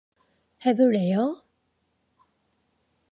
해볼래요?